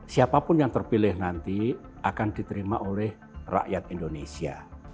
siapapun yang terpilih nanti akan diterima oleh rakyat indonesia